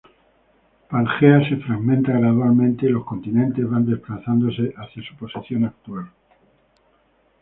Pangea se fragmenta gradualmente y los continentes van desplazándose hacia su posición actual.